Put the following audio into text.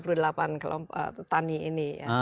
untuk tiga puluh delapan kelompok petani ini ya